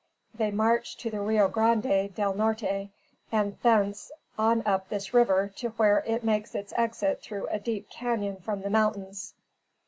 They marched to the Rio Grande del Norte, and thence, on up this river to where it makes its exit through a deep cañon from the mountains.